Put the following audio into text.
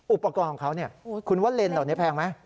อุปกรณ์ของเขาคุณว่าเลนส์เหล่านี้แพงไหม